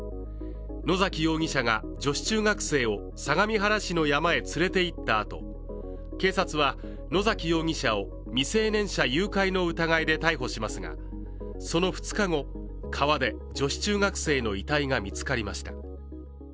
野崎容疑者が女子中学生を相模原市の山へ連れて行ったあと警察は、野崎容疑者を未成年者誘拐の疑いで逮捕しますがその２日後、川で女子中学生がの遺体が見つかりました。